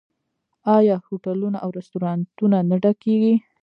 آیا هوټلونه او رستورانتونه نه ډکیږي؟